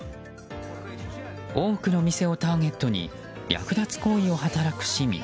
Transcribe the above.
多くの店をターゲットに略奪行為を働く市民。